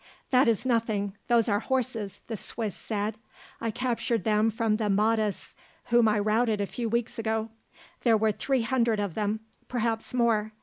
"That is nothing those are horses," the Swiss said. "I captured them from the Mahdists whom I routed a few weeks ago. There were three hundred of them; perhaps more.